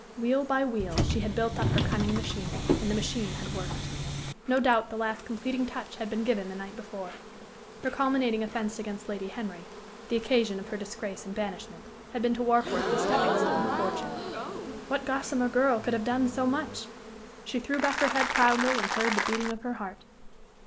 Wheel by wheel she had built up her cunning machine, and the machine had worked. No doubt the last completing touch had been given the night before. Her culminating offence against Lady Henry the occasion of her disgrace and banishment had been to Warkworth the stepping stone of fortune. What "gossamer girl" could have done so much? She threw back her head proudly and heard the beating of her heart.